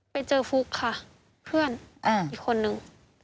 ไปเจอฟุ๊กค่ะเพื่อนอีกคนนึง